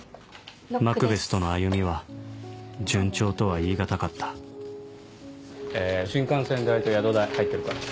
マクベスとの歩みは順調とは言い難かった新幹線代と宿代入ってるから。